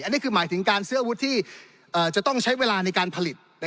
อันนี้คือหมายถึงการซื้ออาวุธที่จะต้องใช้เวลาในการผลิต